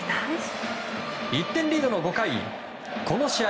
１点リードの５回この試合